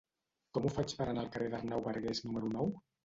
Com ho faig per anar al carrer d'Arnau Bargués número nou?